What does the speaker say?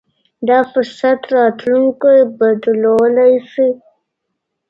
دا فرصت راتلونکی بدلولای شي.